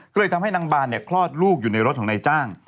ก็เลยทำให้นางบานคลอดลูกอยู่ในรถของนายจ้าง